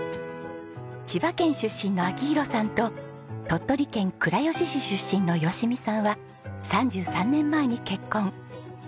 千葉県出身の明宏さんと鳥取県倉吉市出身の淑美さんは３３年前に結婚。